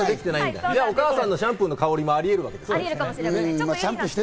じゃあ、お母さんのシャンプーの香りもありえるわけですね。